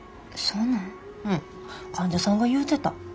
うん患者さんが言うてた。